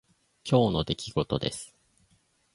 今日の出来事です。